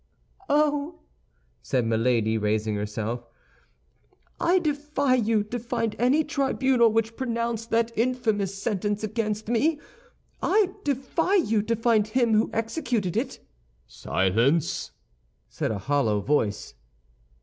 "Oh," said Milady, raising herself, "I defy you to find any tribunal which pronounced that infamous sentence against me. I defy you to find him who executed it." "Silence!" said a hollow voice.